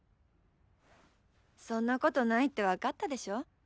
そんなことないって分かったでしょ？